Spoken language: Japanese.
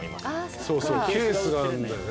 そうそうケースがあるんだよね。